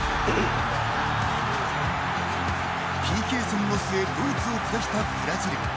ＰＫ戦の末ドイツを下したブラジル。